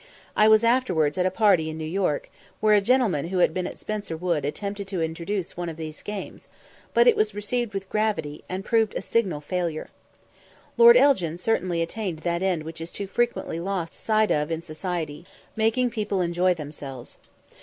I was afterwards at a party at New York, where a gentleman who had been at Spencer Wood attempted to introduce one of these games, but it was received with gravity, and proved a signal failure. Lord Elgin certainly attained that end which is too frequently lost sight of in society making people enjoy themselves.